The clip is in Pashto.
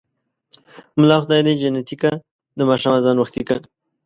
ملا خداى دى جنتې که ـ د ماښام ازان وختې که.